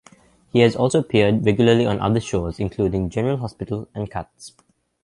He has also appeared regularly on other shows, including "General Hospital" and "Cuts".